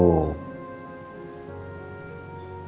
depan andien aku